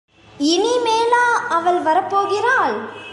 இனிமேலா அவள் வரப்போகிறாள்?